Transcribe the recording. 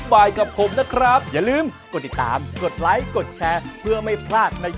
โปรดติดตามตอนต่อไป